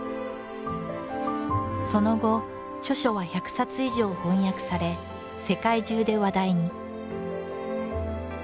その後著書は１００冊以上翻訳され世界中で話題に。